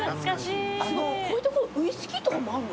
こういうとこウイスキーとかもあんの？